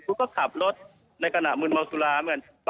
คุณก็ขับรถในขณะมืนเมาสุราเหมือนกัน